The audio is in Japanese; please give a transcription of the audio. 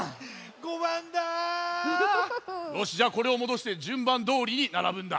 よしじゃあこれをもどしてじゅんばんどおりにならぶんだ。